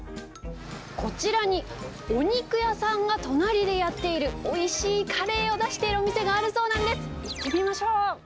こちらにお肉屋さんが隣でやっている、おいしいカレーを出しているお店があるそうなんです。